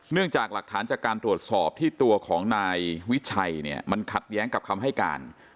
จากหลักฐานจากการตรวจสอบที่ตัวของนายวิชัยเนี่ยมันขัดแย้งกับคำให้การ